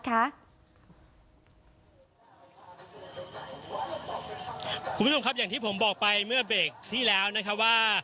คุณผู้ชมครับอย่างที่ผมบอกไปเมื่อเบรกที่แล้วนะครับว่า